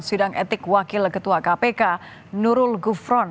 sidang etik wakil ketua kpk nurul gufron